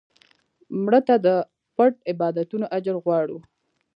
مړه ته د پټ عبادتونو اجر غواړو